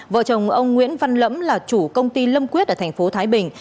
vợ chồng ông nguyễn văn lẫm là chủ công ty lâm quyết ở thành phố thái bình